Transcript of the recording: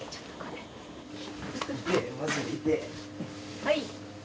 はい。